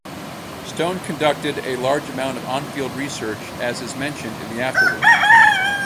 Stone conducted a large amount of "on-field" research as is mentioned in the afterword.